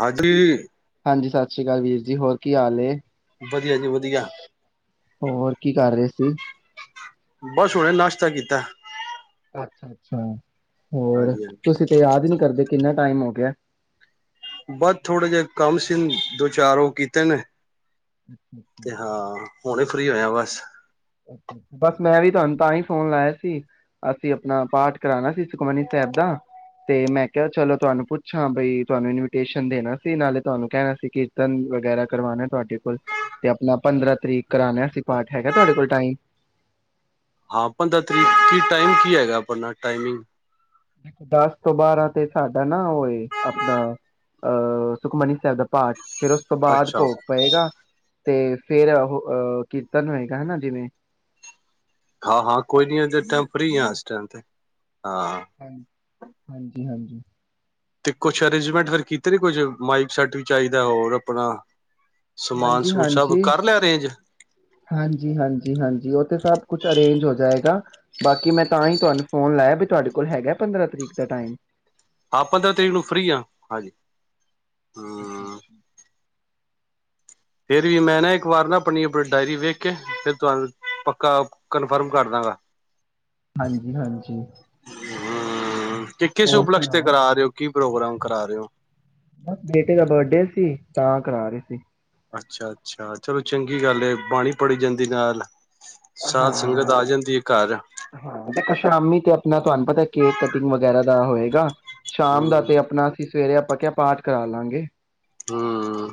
ਹਾਂਜੀ। ਹਾਂਜੀ ਸਤਿ ਸ੍ਰੀ ਅਕਾਲ ਵੀਰ ਜੀ। ਹੋਰ ਕੀ ਹਾਲ ਏ? ਵਧੀਆ ਜੀ ਵਧੀਆ ਹੋਰ ਕੀ ਕਰ ਰਹੇ ਸੀ? ਬਸ ਹੁਨੇ ਨਾਸ਼ਤਾ ਕੀਤਾ। ਅੱਛਾ ਅੱਛਾ। ਹੋਰ ਹਾਂਜੀ ਹਾਂਜੀ ਤੁਸੀਂ ਤੇ ਯਾਦ ਨਹੀ ਕਰਦੇ ਕਿੰਨਾ ਟਾਈਮ ਹੋ ਗਿਆ ਬਸ ਥੋੜਾ ਜਿਹਾ ਕੰਮ ਸੀ ਦੋ ਚਾਰ ਉਹ ਕੀਤੇ ਨੇ ਤੇ ਹਾਂ [inaudible] ਹੁਣੇ ਫਰੀ ਹੋਇਆ ਬਸ ਬਸ ਮੈਂ ਵੀ ਤੁਹਾਨੂੰ ਤਾਂ ਹੀ ਫੋਨ ਲਾਇਆ ਸੀ ਅਸੀਂ ਆਪਣਾ ਪਾਠ ਕਰਾਉਣਾ ਸੀ ਸੁਖਮਨੀ ਸਾਹਿਬ ਦਾ ਤੇ ਮੈਂ ਕਿਹਾ ਚਲੋ ਤੁਹਾਨੂੰ ਪੁੱਛਾਂ ਬਈ ਤੁਹਾਨੂੰ ਇਨਵੀਟੇਸ਼ਨ ਦੇਣਾ ਸੀ ਨਾਲੇ ਤੁਹਾਨੂੰ ਕਹਿਣਾ ਸੀ ਕੀਰਤਨ ਵਗੈਰਾ ਕਰਵਾਉਣੇ ਤੁਹਾਡੇ ਕੋਲ ਤੇ ਆਪਣਾ ਪੰਦਰਾਂ ਤਰੀਕ ਕਰਾਉਣੇ ਅਸੀਂ ਪਾਠ ਹੈਗਾ ਤੁਹਾਡੇ ਕੋਲ ਟਾਈਮ ਹਾਂ ਪੰਦਰਾਂ ਤਰੀਕ [unintelligible] ਕੀ ਟਾਈਮ ਕੀ ਹੈਗਾ ਆਪਣਾ ਟਾਈਮਿੰਗ ਦੇਖੋ ਦਸ ਤੋਂ ਬਾਰਾਂ ਤੇ ਸਾਡਾ ਨਾ ਹੋਏ ਆਪਣਾ ਅਹ ਸੁਖਮਨੀ ਸਾਹਿਬ ਦਾ ਪਾਠ ਫਿਰ ਉਸ ਤੋਂ ਬਾਅਦ ਅੱਛਾ ਭੋਗ ਪਏਗਾ। ਤੇ ਫਿਰ ਉਹ ਅਹ ਕੀਰਤਨ ਹੋਏਗਾ ਹਨਾ ਜਿਵੇਂ ਹਾਂ -ਹਾਂ ਕੋਈ ਨੀ ਉਦੋਂ ਫਰੀ ਆ' ਇਸ ਟਾਈਮ ਤੇ ਹਾਂ [inaudible] ਤੇ ਕੁਛ ਅਰੇਂਜਮੈਂਟ ਫਿਰ ਕੀਤੇ ਨੇ ਕੁਝ ਮਾਈਕ ਸੈਟ ਵੀ ਚਾਹੀਦਾ ਹੋਰ ਆਪਣਾ ਸਮਾਨ ਹਾਂਜੀ ਸਮੂਨ ਸਭ -ਹਾਂਜੀ ਕਰ ਲਿਆ ਅਰੇਂਜ -ਹਾਂਜੀ ਹਾਂਜੀ -ਹਾਂਜੀ ਉਹ ਸਭ ਕੁਛ ਅਰੇਂਜ ਹੋ ਜਾਏਗਾ ਬਾਕੀ ਮੈਂ ਤਾਂ ਹੀ ਤੁਹਾਨੂੰ ਫੋਨ ਲਾਇਆ ਵੀ ਤੁਹਾਡੇ ਕੋਲ ਹੈਗਾ ਪੰਦਰਾਂ ਤਰੀਕ ਦਾ ਟਾਈਮ ਹਾਂ ਪੰਦਰਾਂ ਤਰੀਕ ਨੂੰ ਫ੍ਰਰੀ ਹਾਂਜੀ ਹੂੰ [inaudible] ਫਿਰ ਵੀ ਮੈਂ ਨਾ ਇੱਕ ਵਾਰ ਨਾ ਆਪਣੀ ਆਪਣੀ ਡਾਇਰੀ ਵੇਖ ਕੇ ਫਿਰ ਤੁਹਾਨੂੰ ਪੱਕਾ ਕਨਫਰਮ ਕਰ ਦਾਂਗਾ ਹਾਂਜੀ -ਹਾਂਜੀ ਹਾਂ [unintelligible] ਕਿ ਕਿਸ ਹੋਰ ਉਪਲਸ਼ ਤੇ ਸੁਣਾਓ ਕਰਾ ਰਹੇ ਹੋ। ਕੀ ਪ੍ਰੋਗਰਾਮ ਕਰਾ ਰਹੇ ਹੋ। ਬਸ ਬੇਟੇ ਦਾ ਬਰਡੇ ਸੀ ਤਾਂ ਕਰਾ ਰਹੇ ਸੀ- ਅੱਛਾ -ਅੱਛਾ ਚਲੋ ਚੰਗੀ ਗੱਲ ਬਾਣੀ ਪੜੀ ਜਾਂਦੀ ਨਾਲ ਸਾਧ ਸੰਗਤ ਹਾਂ ਆ ਜਾਂਦੀ ਏ ਘਰ ਹਾਂ ਸ਼ਾਮੀ ਤੇ ਆਪਣਾ ਤੁਹਾਨੂੰ ਪਤਾ ਕੇਕ ਕਟਿੰਗ ਵਗੈਰਾ ਤਾਂ ਹੋਏਗਾ। ਸ਼ਾਮ ਦਾ ਤੇ ਹੂੰ ਆਪਣਾ ਅਸੀਂ ਸਵੇਰੇ ਆਪਾਂ ਕਿਆ ਪਾਠ ਕਰਾ ਲਾਂਗੇ ਹਮ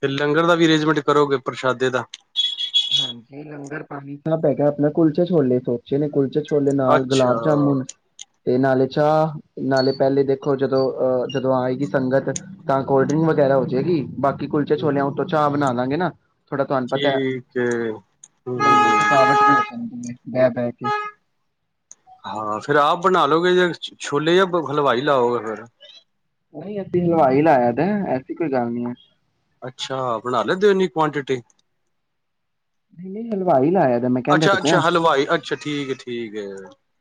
ਫਿਰ ਲੰਗਰ ਦਾ ਵੀ ਅਰੇਂਜਮੈਂਟ ਕਰੋਗੇ ਪ੍ਰਸ਼ਾਦੇ ਦਾ ਹਾਂਜੀ ਲੰਗਰ ਪਾਣੀ ਹੈਗਾ ਆਪਣਾ ਕੁਲਚੇ ਛੋਲੇ ਸੋਚੇ ਨੇ ਕੁਲਚੇ ਛੋਲੇ ਨਾਲ ਅੱਛਾ। ਗੁਲਾਬ ਜਾਮੁਨ ਤੇ ਨਾਲੇ ਅੱਛਾ ਨਾਲੇ ਪਹਿਲੇ ਦੇਖੋ ਜਦੋਂ ਆਏਗੀ ਸੰਗਤ ਤਾਂ ਕੋਲਡ ਡਰਿੰਕ ਵਗੈਰਾ ਹੋ ਜਾਏਗੀ ਬਾਕੀ ਕਿ ਕੁਲਚੇ ਛੋਲਿਆ ਉਤੋਂ ਚਾਹ ਬਣਾ ਲਾਂਗੇ ਨਾ ਥੋੜ੍ਹਾ ਤੁਹਾਨੂੰ ਪਤਾ ਹੈ। ਠੀਕ ਵੀ ਹੋ ਜਾਂਦੀ ਹੈ ਬਹਿ ਬਹਿ ਕੇ ਹਾਂ ਫਿਰ ਆਪ ਬਣਾ ਲਓਗੇ। ਛੋਲੇ ਜਾਂ ਹਲਵਾਈ ਲਾਓਗੇ ਫੇਰ। ਨਹੀਂ ਅਸੀ ਹਲਵਾਈ ਲਾਇਆ ਹੈ ਐਸੀ ਕੋਈ ਗੱਲ ਨਹੀਂ ਹੈ। ਅੱਛਾ ਬਣਾ ਲੈਂਦੇ ਇਨੀ ਕੁਆਂਟਿਟੀ। ਨਹੀਂ ਨਹੀਂ ਹਲਵਾਈ ਲਾਇਆ ਦਾ ਮੈਂ ਕਹਿੰਦਾ ਤੇ ਅੱਛਾ-ਅੱਛਾ ਪਿਆ ਹਲਵਾਈ ਅੱਛਾ ਠੀਕ ਏ ਠੀਕ ਏ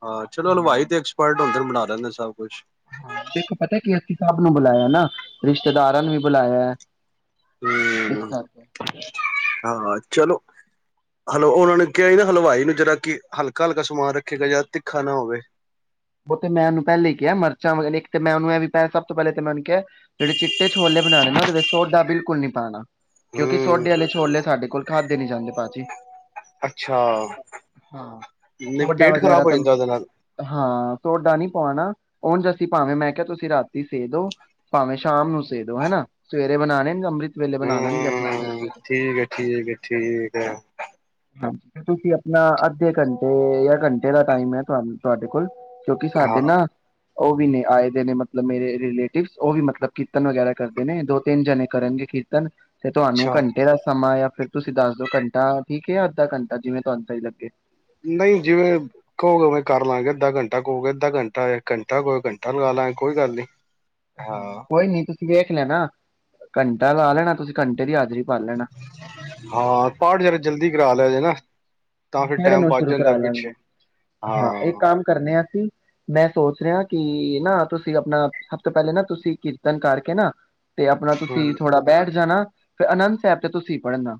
ਹਾਂ ਚਲੋ ਹਲਵਾਈ ਤੇ ਐਕਸਪਰਟ ਹੁੰਦੇ ਬਨਾ ਦਿੰਦੇ ਨੇ ਸਭ ਕੁਛ। ਹਾਂ ਦੇਖੋ ਪਤਾ ਕੀ ਅਸੀਂ ਸਭ ਨੂੰ ਬੁਲਾਇਆ ਨਾ ਰਿਸ਼ਤੇਦਾਰਾਂ ਨੂੰ ਵੀ ਬੁਲਾਇਆ। ਇਸ ਕਰਕੇ ਹਮ ਹਾਂ ਚਲੋ। ਹੈਲੋ ਉਹਨਾਂ ਨੇ ਕਿਹਾ ਹੀ ਨਾ ਹਲਵਾਈ ਨੂੰ ਜਿਹੜਾ ਕਿ ਹਲਕਾ ਹਲਕਾ ਸਮਾਨ ਰੱਖੇਗਾ ਜਿਹੜਾ ਤਿੱਖਾ ਨਾ ਹੋਵੇ। ਉਹ ਤੇ ਮੈਂ ਉਨੂੰ ਪਹਿਲੇ ਹੀ ਕਿਹਾ ਮਿਰਚਾਂ ਇੱਕ ਮੈਨੂੰ ਇਹ ਵੀ ਸਭ ਤੋਂ ਪਹਿਲੇ ਤੇ ਮੈਨੂੰ ਕਿਹਾ ਜਿਹੜੇ ਚਿੱਟੇ ਛੋਲੇ ਬਣਾਣੇ ਨੇ ਨਾ ਉਹਦੇ ਵਿੱਚ ਸੋਡਾ ਬਿਲਕੁਲ ਨੀ ਪਾਉਣਾ। ਕਿਉਂਕਿ ਹੂੰ ਸੋਡੇ ਆਲੇ ਛੋਲੇ ਲਏ ਸਾਡੇ ਕੋਲ ਖਾਦੇ ਨੀ ਜਾਂਦੇ ਭਾਜੀ। ਅੱਛਾ ਹਾਂ ਨਹੀਂ ਸੋਡਾ ਪੇਟ ਖ਼ਰਾਬ ਵਗੈਰਾ ਹੋ ਤਾਂ ਜਾਂਦਾ ਉਹਦੇ ਨਾਲ। ਹਾਂ ਸੋਡਾ ਨਹੀਂ ਪਾਉਣਾ ਉਝ ਅਸੀਂ ਭਾਵੇਂ ਮੈਂ ਕਿਹਾ ਤੁਸੀਂ ਰਾਤੀ ਭੇ ਦੋ ਭਾਵੇਂ ਸ਼ਾਮ ਨੂੰ ਹਨਾ ਸਵੇ ਬਣਾਣੇ ਨੇ ਅੰਮ੍ਰਿਤ ਵੇਲੇ ਬਣਾ ਲੈਣਗੇ ਆਪਣਾ ਸਵੇਰੇ ਹਮ ਸਵੇਰੇ ਠੀਕ ਹੈ, ਠੀਕ ਹੈ, ਠੀਕ ਆ। ਹਾਂਜੀ ਤੁਸੀਂ ਆਪਣਾ ਅੱਧੇ ਘੰਟੇ ਜਾਂ ਘੰਟੇ ਦਾ ਟਾਈਮ ਹੈ ਤੁਹਾਡੇ ਕੋਲ। ਕਿਉਂਕਿ ਹਾਂ ਸਾਡੇ ਨਾ ਉਹ ਵੀ ਨੇ ਆਏ ਦੇ ਨੇ ਮਤਲਬ ਮੇਰੇ ਰਿਲੇਟਿਵਸ ਉਹ ਵੀ ਮਤਲਬ ਕੀਰਤਨ ਵਗੈਰਾ ਕਰਦੇ ਨੇ ਦੋ ਤਿੰਨ ਜਣੇ ਕਰਨਗੇ ਕੀਰਤਨ ਤਨ ਤੇ ਤੁਹਾਨੂੰ ਅੱਛਾ ਘੰਟੇ ਦਾ ਸਮਾਂ ਜਾਂ ਫੇਰ ਤੁਸੀਂ ਦੱਸ ਦੋ ਘੰਟਾ ਠੀਕ ਹੈ ਅੱਧਾ ਘੰਟਾ ਜਿਵੇ ਤੁਹਾਨੂੰ ਸਹੀ ਲੱਗੇ। ਨਹੀਂ ਜਿਵੇਂ ਕਹੋਗੇ ਉਵੇਂ ਕਰ ਲਾਂਗੇ ਅੱਧਾ ਘੰਟਾ ਕਹੋਗੇ ਅੱਧਾ ਘੰਟਾ ਘੰਟਾ ਕਹੋਗੇ ਘੰਟਾ ਲਗਾ ਲਾਗੇ ਕੋਈ ਗੱਲ ਨੀ। ਹਾਂ ਕੋਈ ਨੀ ਤੁਸ ਦੇਖ ਲੈਣਾ ਘੰਟਾ ਲਾ ਲੈਣਾ ਤੁਸੀਂ ਘੰਟੇ ਦੀ ਹਾ ਹਾਂ ਪਾਠ ਜਰਾ ਜਲਦੀ ਕਰਾ ਪਏਗਾ ਸਾਢੇ ਨੌਂ ਸ਼ੁਰੂ ਕਰਾ ਲਾਂਗੇ ਹਾਂ ਇੱਕ ਕੰਮ ਕਰਨੇ ਆ ਅਸੀਂ ਮੈਂ ਸੋਚ ਰਿਹਾ ਕਿ ਨਾ ਤੁਸੀਂ ਆਪਣਾ ਸਭ ਤੋਂ ਪਹਿਲੇ ਨਾ ਤੁਸੀਂ ਕੀਰਤਨ ਕਰਕੇ ਨਾ ਤੇ ਆਪਣਾ ਤੁਸੀਂ ਹੂੰ ਥੋੜਾ ਬੈਠ ਜਾਣਾ। ਫਿਰ ਆਨੰਦ ਸਾਹਿਬ ਤੇ ਤੁਸੀਂ ਪੜ੍ਹਨਾ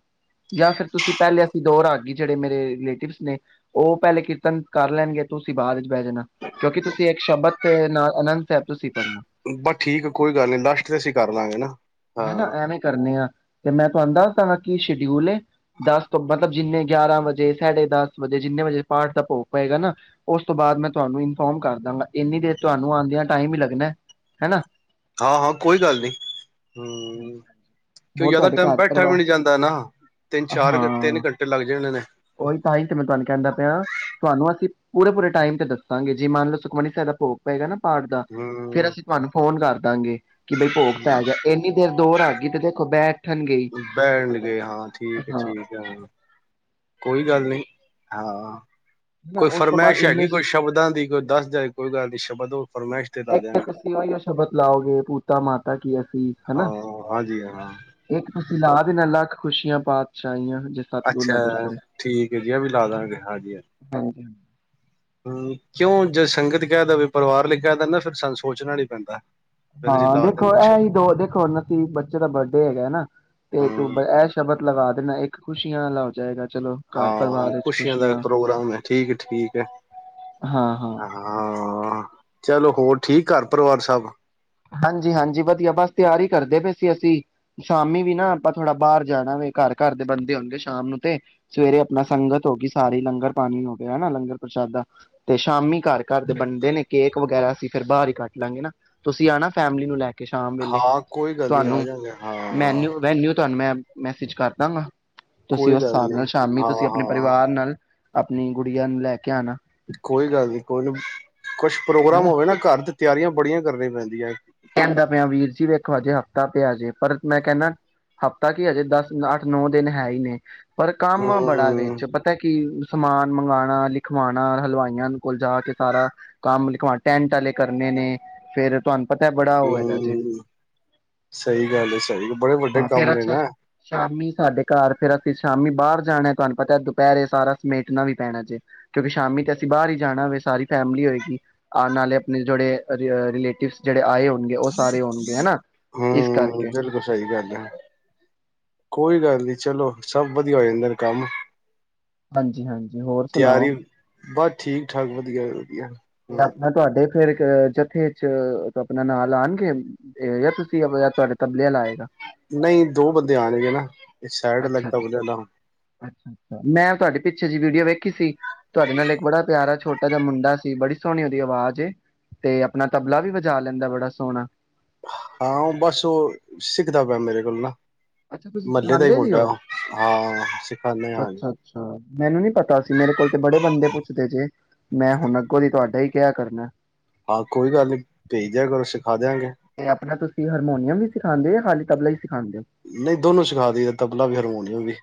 ਜਾਂ ਫਿਰ ਤੁਸੀਂ ਪਹਿਲੇ ਅਸੀਂ ਦੋ ਰਾਗੀ ਜੱ ਤੇ ਮੇਰੇ ਰਿਲੇਟਿਵ ਨੇ ਉਹ ਪਹਿਲੇ ਕੀਰਤਨ ਕਰ ਲੈਣਗੇ ਤੁਸੀਂ ਬਾਅਦ ਚ ਬਹਿ ਜਾਣਾ ਕਿਉਂਕਿ ਤੁਸੀਂ ਇੱਕ ਸ਼ਬਦ ਤੇ ਨਾ ਆਨੰਦ ਸਾਹਿਬ ਤੁਸੀਂ ਪੜ੍ਹਨਾ ਬਸ ਠੀਕ ਕੋਈ ਗੱਲ ਨਹੀਂ ਲਾਸਟ ਤੇ ਅਸੀਂ ਕਰ ਲਾਂਗੇ ਨਾ। ਹਨਾ ਹਾਂ ਐਵੇਂ ਕਰਨੇ ਆ ਤੇ ਮੈਂ ਤੁਹਾਨੂੰ ਦੱਸ ਤੁਹਾਡਾ ਕੀ ਸ਼ੇਡਿਊਲ ਏ। ਦਸ ਤੋਂ ਬਾਅਦ [unintelligible] ਮਤਲਬ ਜਿੰਨੇ ਗਿਆਰਾਂ ਵਜੇ, ਸਾਡੇ ਦਸ ਵਜੇ, ਜਿੰਨੇ ਵਜੇ ਪਾਠ ਦਾ ਭੋਗ ਪਏਗਾ ਨਾ ਉਸ ਤੋਂ ਬਾਅਦ ਮੈਂ ਤੁਹਾਨੂੰ ਇਨਫੋਰਮ ਕਰ ਦਾਂਗਾ। ਇੰਨੀ ਦੇਰ ਤੁਹਾਨੂੰ ਆਉਂਦਿਆਂ ਟਾਈਮ ਹੀ ਲੱਗਣਾ। ਹੈਨਾ ਹਾਂ ਹਾਂ ਕੋਈ ਗੱਲ ਨੀ ਹੂੰ ਕਿਉਂ ਹੋਰ ਜ਼ਿਆਦਾ ਤੁਹਾਡੇ ਟਾਈਮ ਘਰ ਬੈਠਾ ਵੀ ਪਰਿਵਾਰ ਨਹੀਂ ਜਾਂਦਾ ਨਾ ਤਿੰਨ ਚਾਰ ਤਿੰਨ ਹਾਂ ਘੰਟੇ ਲੱਗ ਜਾਣੇ ਨੇ ਉਹੀ ਤਾਂ ਹੀ ਤੇ ਮੈਂ ਤੁਹਾਨੂੰ ਕਹਿੰਦਾ ਪਿਆ ਤੁਹਾਨੂੰ ਅਸੀਂ ਪੂਰੇ ਪੂਰੇ ਟਾਈਮ ਤੇ ਦੱਸਾਂਗੇ ਜੀ ਮੰਨ ਲਓ ਸੁਖਮਨੀ ਸਾਹਿਬ ਦਾ ਭੋਗ ਪਏਗਾ ਨਾ ਪਾਠ ਦਾ ਫੇਰ ਹੂੰ ਅਸੀਂ ਤੁਵਾਨੂੰ ਫੋਨ ਕਰ ਦਾਂਗੇ। ਕਿ ਬਈ ਭੋਗ ਪੈ ਗਿਆ ਏਨੀ ਦੇਰ ਦੋ ਰਾਗੀ ਤੇ ਦੇਖੋ ਬੈਠ ਬੈਣਗੇ ਹਾਂ ਠੀਕ ਏ, ਹਾਂ ਠੀਕ ਏ ਕੋਈ ਗੱਲ ਨੀ ਹਾਂ [unintelligible] ਨਾ ਕੋਈ ਉਸ ਤੋਂ ਬਾਅਦ ਫਰਮਾਇਸ਼ ਹੈਗੀ, ਇੰਨੇ ਕੋਈ ਸ਼ਬਦਾਂ ਦੀ, ਕੋਈ ਦੱਸ ਦਿਆ ਜੇ ਕੋਈ ਗੱਲ ਸ਼ਬਦ ਫਰਮਾਇਸ਼ ਲਾ ਏਕ ਤੇ ਦਿਆਂਗੇ ਤੁਸੀਂ ਓਇਓ ਸ਼ਬਦ ਲਾਓਗੇ 'ਪੂਤਾ-ਮਾਤਾ ਕੀ ਆਸੀਸ' ਹਨਾ ਹਾਂ ਹਾਂਜੀ ਹਾਂ ਏਕ ਤੁਸੀਂ ਲਾ ਦੇਣਾ ਲਖ ਖੁਸ਼ੀਆਂ ਪਾਤਸ਼ਾਹੀਆ ਅੱਛਾ ਠੀਕ ਹੈ ਜੀ। ਆ ਵੀ ਲਾਦਾਂਗੇ ਹਾਂਜੀ ਹਾਂਜੀ। ਹਾਂਜੀ ਹਮ ਕਿਉਂ ਜੇ ਸੰਗਤ ਕਹਿ ਦੇਵੇ ਪਰਿਵਾਰ ਲਈ ਕਹਿ ਦੇੰਦੇ ਫਿਰ ਸਾਨੂੰ ਸੋਚਣਾ ਨੀ ਪੈਂਦਾ ਫਿਰ ਅਸੀਂ ਹਾਂ ਲਾ ਦੇਖੋ ਦਿੰਦੇ ਇਹ ਹੀ ਦੋ ਦੇਖੋ ਹੁਣ ਅਸੀਂ ਬੱਚੇ ਦਾ ਬਰਡੇ ਹੈਗਾ ਨਾ ਤੇ ਤੂੰ ਹਾਂ ਇਹ ਸ਼ਬਦ ਲਗਾ ਨਾ ਇੱਕ ਖੁਸ਼ੀਆਂ ਆਲਾ ਹੋ ਜਾਏਗਾ ਚਲੋ ਘਰ ਪਰਿਵਾਰ ਹਾਂ, ਵਿੱਚ ਖੁਸ਼ੀਆਂ ਦਾ ਪ੍ਰੋਗਰਾਮ ਹੈ। ਠੀਕ ਏ, ਠੀਕ ਏ, ਹਾਂ ਹਾਂ ਹਾਂ ਚਲੋ ਹੋਰ ਠੀਕ ਘਰ ਪਰਿਵਾਰ ਸਭ ਹਾਂਜੀ, ਹਾਂਜੀ ਵਧੀਆ ਬਸ ਤਿਆਰੀ ਕਰਦੇ ਪਏ ਸੀ ਅਸੀਂ। ਸ਼ਾਮੀ ਵੀ ਨਾ ਆਪਾਂ ਥੋੜਾ ਬਾਹਰ ਜਾਣਾ ਵੇ। ਘਰ-ਘਰ ਦੇ ਬੰਦੇ ਹੋਣਗੇ, ਸ਼ਾਮ ਨੂੰ ਤੇ ਸਵੇਰੇ ਆਪਣਾ ਸੰਗਤ ਹੋ ਗਈ ਸਾਰੀ, ਲੰਗਰ ਪਾਣੀ ਹੋ ਗਿਆ ਹਨਾ ਲੰਗਰ ਪ੍ਰਸ਼ਾਦਾ ਤੇ ਸ਼ਾਮੀ ਘਰ-ਘਰ ਦੇ ਵੰਡ ਦੇ ਨੇ ਕੇਕ ਵਗੈਰਾ ਅਸੀਂ ਫਿਰ ਬਾਹਰ ਹੀ ਕੱਟ ਲਾਂਗੇ ਨਾ ਤੁਸੀਂ ਆਣਾ ਫੈਮਿਲੀ ਨੂੰ ਲੈ ਕੇ ਕੇ ਸ਼ਾਮ ਵੇਲੇ ਹਾਂ ਕੋਈ ਗੱਲ ਨੀ ਆ ਤੁਹਾਨੂੰ ਜਾਂਗੇ ਹਾਂ ਮੈਨਿਊ-ਵੈਨਿਊ ਤੁਹਾਨੂੰ ਮੈਂ ਮੈਸੇਜ ਕਰਦਾਂਗਾ ਤੁਸੀਂ ਕੋਈ ਉਸ ਗੱਲ ਹਿਸਾਬ ਨੀ ਨਾਲ ਸ਼ਾਮੀ ਹਾਂ ਤੁਸੀਂ ਹਾਂ ਆਪਣੇ ਪਰਿਵਾਰ ਹਾਂ ਨਾਲ ਆਪਣੀ ਗੁੜੀਆਂ ਨੂੰ ਲੈ ਕੇ ਆਣਾ। ਕੋਈ ਗੱਲ ਨੀ ਕੋਈ ਨੀ ਕੁਛ ਪ੍ਰੋਗਰਾਮ ਹਨਾ ਹੋਵੇ ਨਾ ਘਰ ਦੇ ਤਿਆਰੀਆਂ ਬੜੀਆਂ ਕਰਨੀ ਪੈਂਦੀਆਂ ਕਹਿੰਦਾ ਪਿਆ ਵੀਰ ਜੀ ਵੇਖੋ ਹਜੇ ਹਫ਼ਤਾ ਪਿਆ ਜੇ ਪਰ ਮੈਂ ਕਹਿੰਦਾ ਹਫ਼ਤਾ ਕੀ ਹਜੇ ਦਸ, ਅੱਠ ਨੌ ਦਿਨ ਹੈ ਹੀ ਨੇ ਪਰ ਹੂੰ ਕੰਮ ਬੜਾ ਵੇ ਵਿੱਚ ਪਤਾ ਕੀ ਸਮਾਨ ਮੰਗਵਾਉਣਾ, ਲਿਖਵਾਉਣਾ, ਹਲਵਾਈਆਂ ਕੋਲ ਜਾ ਕੇ ਸਾਰਾ ਕੰਮ ਲਿਖਵਾਣਾ ਟੈਂਟ ਆਲੇ ਕਰਨੇ ਨੇ ਫੇਰ ਤੁਹਾਨੂੰ ਪਤਾ ਬੜਾ ਉਹ ਹੈਗਾ ਜੇ ਹਮ ਸਹੀ ਗੱਲ ਹੈ ਸਹੀ ਗੱਲ ਬੜੇ ਵੱਡੇ ਹਾਂ ਕੰਮ ਫੇਰ ਨੇ ਅੱਛਾ ਨਾ ਇਹ। ਸ਼ਾਮੀ ਸਾਡੇ ਘਰ ਫੇਰ ਅਸੀਂ ਸ਼ਾਮੀ ਬਾਹਰ ਜਾਣਾ ਤੁਹਾਨੂੰ ਪਤਾ ਦੁਪਹਿਰੇ ਸਾਰਾ ਸਮੇਟਣਾ ਵੀ ਪੈਣਾ ਜੇ ਕਿਉਂਕਿ ਸ਼ਾਮੀ ਤੇ ਅਸੀਂ ਬਾਹਰ ਹੀ ਜਾਣਾ ਵੇ ਸਾਰੀ ਫੈਮਿਲੀ ਹੋਏਗੀ ਆਉਣ ਨਾਲੇ ਆਪਣੇ ਜਿਹੜੇ ਰਿਲੇਟਿਵਸ ਜਿਹਦੇ ਆਏ ਉ ਹਮ ਕਰਕੇ ਬਿਲਕੁਲ ਸਹੀ ਗੱਲ ਆ ਕੋਈ ਗੱਲ ਨੀ। ਚਲੋ ਸਭ ਵਧੀਆ ਹੋ ਜਾਂਦਾ ਨੇ ਕੰਮ ਹਾਂਜੀ ਹਾਂਜੀ ਹੋਰ ਸੁਣਾਓ ਤਿਆਰੀ ਬਸ ਠੀਕ ਠਾਕ [unintelligible] ਤੇ [unintelligible] ਆਪਣਾ ਤੁਹਾਡੇ ਫੇਰ ਜਥੇ ਚ ਆਪਣਾ ਨਾਲ ਆਣਗੇ ਜਾਂ ਤੁਸੀਂ ਤੁਹਾਡੇ ਤਬਲੇ ਆਲਾ ਨਹੀਂ ਦੋ ਬੰਦੇ ਆਣਗੇ ਨਾ। ਅੱਛਾ ਅੱਛਾ [unintelligible] ਮੈਂ ਤੁਹਾਡੀ ਪਿੱਛੇ ਜਿਹੀ ਵੀਡੀਓ ਵੇਖੀ ਸੀ। ਤੁਹਾਡੇ ਨਾਲ ਇੱਕ ਬੜਾ ਪਿਆਰਾ ਛੋਟਾ ਜਿਹਾ ਮੁੰਡਾ ਬੜੀ ਸੋਹਣੀ ਉਹਦੀ ਆਵਾਜ਼ ਏ ਤੇ ਆਪਣਾ ਤਬਲਾ ਵੀ ਵਜਾ ਲੈਂਦਾ ਬੜਾ ਸੋਹਣਾ। ਹਾਂ ਉਹ ਬਸ ਉਹ ਸਿੱਖਦਾ ਪਿਆ ਮੇਰੇ ਕੋਲ ਨਾ। ਅੱਛਾ ਤੁਸੀਂ ਮਹੱਲੇ ਦਾ ਹੀ ਸਿਖਾਦੇ ਵੀ ਮੁੰਡਾ ਹੋ ਉਹ ਹਾਂ ਸਿਖਾਨੇ ਹਾਂ ਅੱਛਾ-ਅੱਛਾ ਮੈਨੂੰ ਨੀ ਪਤਾ ਸੀ ਮੇਰੇ ਕੋਲ ਤੇ ਬੜੇ ਬੰਦੇ ਪੁੱਛਦੇ ਜੇ ਮੈਂ ਹੁਣ ਅੱਗੋਂ ਦੀ ਤੁਹਾਡਾ ਹੀ ਕਿਆ ਕਰਨਾ। ਹਾਂ ਕੋਈ ਗੱਲ ਨੀ ਭੇਜ ਦਿਆ ਕਰੋ ਦਿਆਂਗੇ ਤੇ ਆਪਣਾ ਤੁਂ ਹਾਰਮੋਨੀਅਮ ਵੀ ਸਿਖਾਂਦੇ ਹੋ ਜਾਂ ਖਾਲੀ ਤਬਲਾ ਹੀ ਸਿਖਾਂਦੇ ਹੋ ਨਹੀਂ ਦੋਨੋਂ ਸਿਖਾ ਦੀ ਦਾ ਤਬਲਾ ਵੀ ਹਰਮੋਨੀਅਮ ਵੀ।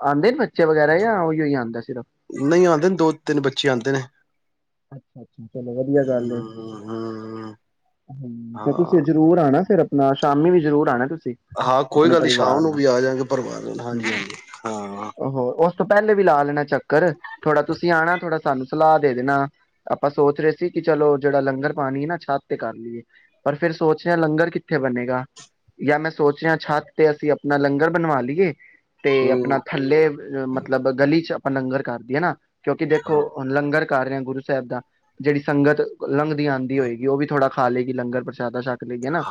ਆਉਂਦੇ ਨੇ ਬੱਚੇ ਵਗੈਰਾ ਜਾਂ ਉਹੀ ਹੀ ਆਉਂਦਾ ਸਿਰਫ। ਨਹੀਂ ਆਂਦੇ ਨੇ ਦੋ ਤਿੰਨ ਬੱਚੇ ਆਉਂਦੇ ਨੇ। ਅੱਛਾ-ਅੱਛਾ ਚਲੋ ਵਧੀਆ ਗੱਲ ਏ ਹੂੰ ਹਮ ਤੇ ਤੁਸੀਂ ਹਾਂ ਜਰੂਰ ਆਣਾ ਫਿਰ ਨਾ ਸ਼ਾਮੀ ਵੀ ਜਰੂਰ ਆਉਣਾ ਤੁਸੀ ਹਾਂ ਕੋਈ ਗੱਲ ਨਹੀਂ ਸ਼ਾਮ ਨੂੰ ਵੀ ਆ ਜਾਂਗੇ ਪਰਿਵਾਰ ਹੂੰ ਹਾਂ। ਹੋ ਉਸ ਤੋਂ ਪਹਿਲੇ ਵੀ ਲਾ ਲੈਣਾ ਚੱਕਰ ਥੋੜਾ ਤੁਸੀਂ ਆਉਣਾ ਥੋੜਾ ਸਾਨੂੰ ਸਲਾਹ ਦੇ ਦੇਨਾ। ਆਪਾਂ ਸੋਚ ਰਹੇ ਸੀ ਕਿ ਚਲੋ ਜਿਹੜਾ ਲੰਗਰ ਪਾਣੀ ਹੈ ਨਾ ਛੱਤ ਤੇ ਕਰ ਲਈਏ ਪਰ ਫਿਰ ਸੋਚ ਰਹੇ ਲੰਗਰ ਕਿੱਥੇ ਬਣੇਗਾ ਜਾਂ ਮੈਂ ਸੋਚ ਰਿਹਾ ਛੱਤ ਤੇ ਅਸੀਂ ਆਪਣਾ ਲੰਗਰ ਬਣਵਾ ਲਈਏ। ਤੇ ਆਪਣਾ ਹੂੰ ਥੱਲੇ ਅ ਮਤਲਬ ਗਲੀ ਚ ਆਪਾਂ ਲੰਗਰ ਕਰਕੇ ਹਨਾ। ਕਿਉਂਕਿ ਦੇਖੋ ਹੁਣ ਲੰਗਰ ਕਰ ਰਿਹਾ ਗੁਰ ਸਾਹਿਬ ਦਾ ਜਿਹੜੀ ਸੰਗਤ ਲੰਘਦੀ ਆਂਦੀ ਹੋਏਗੀ ਉਹ ਵੀ ਥੋੜਾ ਖਾਲੇ ਗੀ ਲੰਗਰ ਪ੍ਰਸ਼ਾਦਾ ਸ਼ਕ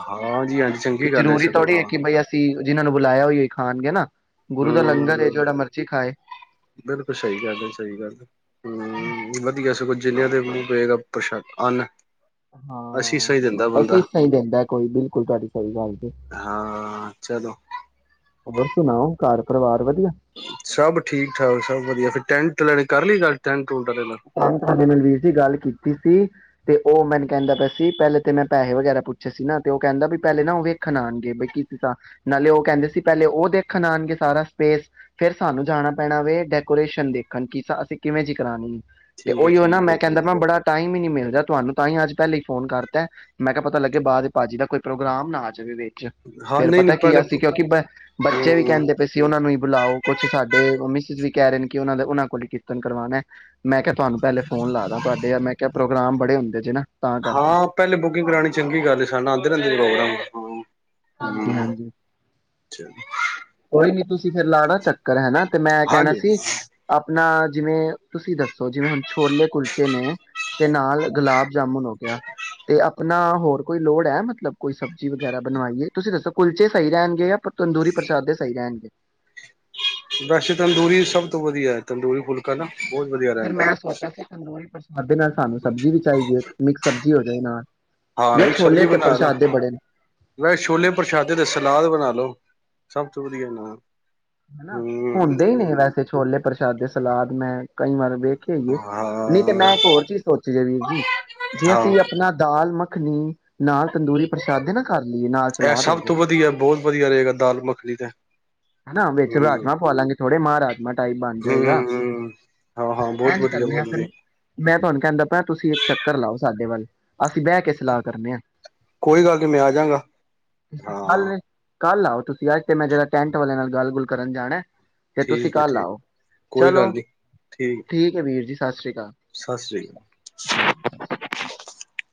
ਹਾਂਜੀ ਹਾਂਜੀ ਚੰਗੀ ਗੱਲ ਹੈ ਸਗੋਂ ਹਾਂ। ਜਿਨ੍ਹਾਂ ਨੂੰ ਬੁਲਾਇਆ ਓਹੀਓ ਖਾਣਗੇ ਨਾ। ਗੁਰੂ ਦਾ ਲੰਗਰ ਏ ਹੂੰ ਜਿਹੜਾ ਮਰਜੀ ਖਾਏ। ਬਿਲਕੁਲ ਸਹੀ ਗੱਲ ਹੈ ਸਹੀ ਜਿੰਨੀਆਂ ਦੇ ਮੂੰਹ ਪਏਗਾ ਪ੍ਰ ਅੰਨ। ਅਸੀਸਾਂ ਹਾਂ ਹੀ ਦਿੰਦਾ ਬੰਦਾ ਅਸੀਸਾਂ ਹੀ ਦਿੰਦਾ ਕੋਈ ਬਿਲਕੁਲ ਤੁਹਾਡੀ ਸਹੀ ਗੱਲ ਜੇ। ਹਾਂ ਚਲੋ ਹੋਰ ਸੁਣਾਓ ਘਰ ਪਰਿਵਾਰ ਵਧੀਆ ਸਭ ਠੀਕ ਠਾਕ ਸਭ ਵਧੀਆ ਫੇਰ ਟੈਂਟ [unintelligible] ਕਰਲੀ ਗੱਲ ਟੈਂ [unintelligible] ਵੀਰ ਜੀ ਗੱਲ ਕੀਤੀ ਸੀ। ਤੇ ਉਹ ਮੈਨੂੰ ਕਹਿੰਦਾ ਪਿਆ ਸੀ ਪਹਿਲੇ ਤੇ ਮੈਂ ਪੈਸੇ ਵਗੈਰਾ ਪੁੱਛੇ ਸੀ ਨਾ ਤੇ ਉਹ ਕਹਿੰਦਾ ਵੀ ਪਹਿਲੇ ਨਾ ਉਹ ਵੇਖਣ ਆਣਗੇ ਬ ਕੀ ਸੀ ਨਾਲੇ ਉਹ ਕਹਿੰਦੇ ਸੀ ਪਹਿਲੇ ਉਹ ਦੇਖਣ ਆਣਗੇ ਸਾਰਾ ਸਪੇਸ ਫੇਰ ਸਾਨੂੰ ਜਾਣਾ ਪੈਣਾ ਵੇ ਡੈਕੋਰੇਸ਼ਨ ਦੇਖਣ ਕੀ ਅਸੀਂ ਕਿਵੇਂ ਜੀ ਕਰਾਣੀ ਏ। ਤੇ ਠੀਕ ਹੈ ਉਹੀਓ ਨਾ ਠੀਕ ਮੈਂ ਹੈ ਕਹਿੰਦਾ ਠੀਕ ਮੈਂ ਬੜਾ ਟਾਈਮ ਹੀ ਨੀ ਮਿਲਦਾ ਤੁਹਾਨੂੰ ਤਾਂ ਹੀ ਅੱਜ ਪਹਿਲੇ ਹੀ ਫੋਨ ਕਰਤਾ ਮੈਂ ਕਿਹਾ ਪਤਾ ਲੱਗੇ ਬਾਅਦ ਦੇ ਭਾਜੀ ਦਾ ਕੋਈ ਪ੍ਰੋਗਰਾਮ ਨਾ ਆ ਜਾਵੇ ਵ ਚ ਹਾਂ ਫੇਰ ਨਹੀਂ ਪਤਾ ਨਹੀਂ ਕੀ ਪਹਿਲੇ ਅਸੀ ਕਿਉਂਕਿ ਬ ਬੱਚੇ ਵੀ ਹਮ ਕਹਿੰਦੇ ਪਏ ਸੀ ਉਹਨਾ ਨੂੰ ਬੁਲਾਓ ਕੁਛ ਸਾਡੇ ਮਿਸਿਜ ਵੀ ਕਹਿ ਰਹੇ ਨੇ ਕਿ ਉਹਨਾਂ ਦਾ ਉਹਨਾਂ ਕੋਲ ਹੀ ਕੀਰਤਨ ਕਰਵਾਣਾ। ਮੈਂ ਕਿਹਾ ਤੁਹਾਨੂੰ ਪਹਿਲੇ ਫੋਨ ਲਾ ਦਾ ਤੁਹਾਡੇ ਆ ਮੈਂ ਕਿਹਾ ਪ੍ਰੋ ਪ੍ਰੋਗਰਾਮ ਬੜੇ ਹੁੰਦੇ ਜੇ ਨਾ। ਤਾਂ ਕਰਕੇ। ਹਾਂ ਪਹਿਲੇ ਬੁਕਿੰਗ ਕਰਾਣੀ ਚੰਗੀ ਗੱਲ ਐ ਸਾਨੂੰ ਆਂਦੇ ਰਹਿੰਦੇ ਨੇ ਪ੍ਰੋਗਰਾਮ। ਹਮ ਹਾਂਜੀ-ਹਾਂਜੀ ਕੋਈ ਨੀ। ਤੁਸੀਂ ਫੇਰ ਲਾਣਾ ਚੱਕਰ ਹੈ ਨਾ। ਤੇ ਮੈਂ ਕਹਿਣਾ ਹਾਂਜੀ ਸੀ ਆਪਣਾ ਜਿਵੇਂ ਤੁਸੀਂ ਦੱਸੋ ਜਿਵੇਂ ਹੁਣ ਛੋਲੇ ਕੁਲਚੇ ਨੇ ਤੇ ਨਾਲ ਗੁਲਾਬ ਜਾਮੁਨ ਹੋ ਗਿਆ ਤੇ ਆਪਣਾ ਹੋਰ ਕੋਈ ਲੋੜ ਹੈ ਮਤਲਬ ਕੋਈ ਸਬਜ਼ੀ ਵਗੈਰਾ ਬਣਵਾਈਏ। ਤੁਸੀਂ ਦੱਸੋ ਕੁਲਚੇ ਸਹੀ ਰਹਿਣਗੇ ਜਾਂ ਤੰਦੂਰੀ ਪ੍ਰਸ਼ਾਦੇ ਸਹੀ ਰਹਿਣਗੇ। ਵੈਸੇ ਤੰਦੂਰੀ ਸਭ ਤੋਂ ਵਧੀਆ। ਤੰਦੂਰੀ ਫੁਲਕਾ ਨਾ। ਬਹੁਤ ਵਧੀਆ ਫੇਰ ਰਹਿੰਦਾ ਮੈਂ ਸੋਚਾ ਸੀ ਤੰਦੂਰੀ ਪਰਸ਼ ਉਹਦੇ ਨਾਲ ਸਾਨੂੰ ਸਬਜ਼ੀ ਵੀ ਚਾਹੀਦੀ ਹੈ ਮਿਕਸ ਸਬ ਜ਼ੀ ਹੋ ਜਾਏ ਨਾ ਹਾਂ ਮਿਕਸ ਸਬਜ਼ੀ ਬਣਾ ਲਓ ਮੈਂ ਕਿਹਾ ਛੋਲੇ ਪ੍ਰਸ਼ਾਦੇ ਤੇ ਸਲਾਦ ਬਣਾ ਲਓ। ਸਭ ਤੋਂ ਵਧੀਆ ਨਾਂ ਹਨਾ ਹੁੰਦੇ ਹੀ ਨੇ ਵੈਸੇ ਛੋਲੇ ਪ੍ਰਸ਼ਾਦੇ ਸਲਾਦ ਮੈਂ ਕਈ ਵਾਰ ਵੇ ਵੇਖੇ ਈ ਏ ਹਾਂ ਨਹੀਂ ਤੇ ਮੈਂ ਇੱਕ ਹੋਰ ਚੀਜ਼ ਸੋਚੀ ਜੇ ਅਸੀਂ ਆਪਣਾ ਦਾਲ ਮ ਮਖਣੀ ਇਹ ਸਲਾਦ ਹੋ ਸਭ ਜਾਏ ਤੋਂ ਵਧੀਆ ਬਹੁਤ ਵਧੀਆ ਰਹੇਗਾ ਦਾਲ ਮੱਖਣੀ ਤੇ ਹੈਨਾ ਵਿੱਚ ਹੂੰ ਰਾਜਮਾਂ ਪਵਾ ਲਾਂਗੇ ਥੋੜੇ ਮਾਂ ਰਾਜਮਾ ਟਾਈਪ ਬਣ ਹੂੰ ਜਾਏਗਾ ਹੂੰ ਹਾਂ ਹਾਂ ਬਹੁਤ ਏਂਝ ਵਧੀਆ ਕਰਨੇ ਆ ਬਹੁਤ ਫਿਰ ਵਧੀਆ ਮੈਂ ਤੁਹਾਨੂੰ ਕਹਿੰਦਾ ਪਿਆ ਤੁਸੀਂ ਇੱਕ ਚੱਕਰ ਲਓ ਸਾਡੇ ਸਾਡੇ ਵੱਲ, ਅਸੀ ਬਹਿ ਕੇ ਸਲਾਹ ਕਰਨੇ ਹਾਂ ਕੋਈ ਗੱਲ ਨਹੀਂ, ਮੈਂ ਆਜਾਂਗਾ, ਤੁਸੀਂ ਹਾਂ। ਕੱਲ ਕੱਲ ਆਓ ਤੁਸੀ, ਅੱਜ ਤੇ ਮੈਂ ਜਰਾ ਟੈਂਟ ਵਾਲਿਆਂ ਨਾਲ ਗੱਲ ਗੁਲ ਕਰਨ ਜਾਣਾ ਤੇ ਤੁਸੀਂ ਠੀਕ ਹੈ ਕੱਲ ਠੀਕ ਆਓ। ਕੋਈ ਚਲੋ ਗੱਲ ਨੀ ਠੀਕ ਹੈ ਵੀਰ ਜੀ। ਸਤ ਸ਼੍ਰੀ ਸਤਿ ਸ੍ਰੀ ਅਕਾਲ [inaudible]